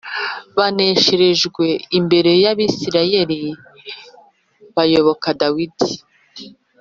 banesherejwe imbere y Abisirayeli bayoboka Dawidi